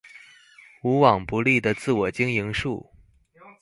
無往不利的自我經營術